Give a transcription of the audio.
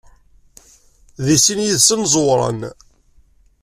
Deg sin yid-sen ẓewren.